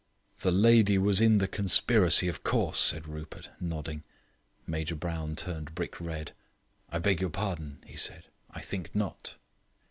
"The lady was in the conspiracy, of course," said Rupert, nodding. Major Brown turned brick red. "I beg your pardon," he said, "I think not."